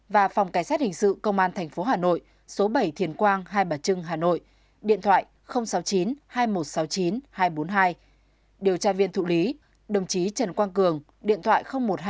và phòng cảnh sát hình sự công an tp hà nội số bảy thiền quang hai bà trưng hà nội điện thoại sáu mươi chín hai nghìn một trăm sáu mươi chín hai trăm bốn mươi hai điều tra viên thụ lý đồng chí trần quang cường điện thoại một trăm hai mươi năm bảy triệu một trăm chín mươi chín nghìn chín trăm chín mươi chín